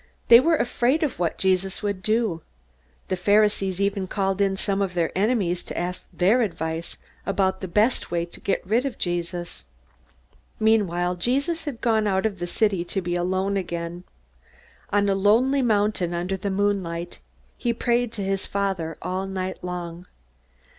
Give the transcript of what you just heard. They were afraid of what Jesus would do. The Pharisees even called in some of their enemies to ask their advice about the best way to get rid of Jesus. Meanwhile Jesus had gone out of the city to be alone again. On a lonely mountain, under the moon light, he prayed to his Father all night long.